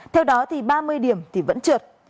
theo đó thì ba mươi điểm thì vẫn trượt